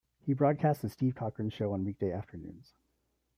He broadcast "The Steve Cochran Show" on weekday afternoons.